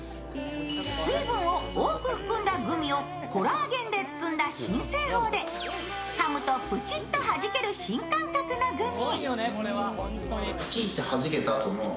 水分を多く含んだグミをコラーゲンで包んだ新製法でかむとプチッとはじける新感覚のグミ。